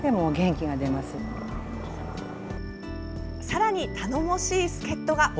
さらに頼もしい助っ人が。